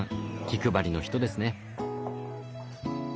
気配りの人ですね。